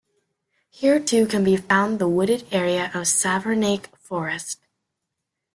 Here too can be found the wooded area of Savernake Forest.